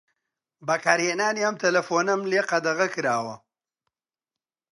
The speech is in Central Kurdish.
بەکارهێنانی ئەم تەلەفۆنەم لێ قەدەغە کراوە.